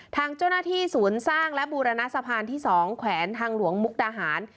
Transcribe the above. ทางเจ้าหน้าที่ศูนย์สร้างและบูรณสะพานที่๒แขวงทางหลวงมุกดาหาร